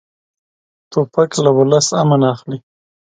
توپک له ولس امن اخلي.